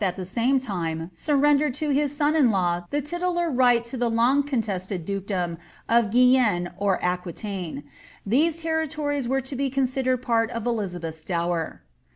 at the same time, surrendered to his son in law the titular right to the long contested dukedom of Guienne or Aquitaine. These territories were to be considered part of Elizabeth's dower.